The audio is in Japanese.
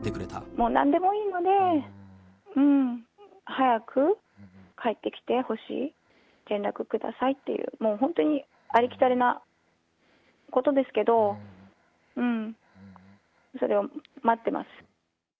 もうなんでもいいので、早く帰ってきてほしい、連絡くださいっていう、もう本当にありきたりなことですけど、それを待ってます。